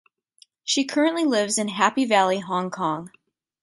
She currently lives in Happy Valley, Hong Kong.